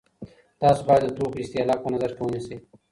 تاسو باید د توکو استهلاک په نظر کي ونیسئ.